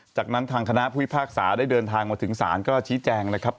จากนั้นทางคณะผู้พิพากษาได้เดินทางมาถึงศาลก็ชี้แจงนะครับ